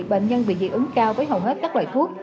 bệnh nhân bị dị ứng cao với hầu hết các loại thuốc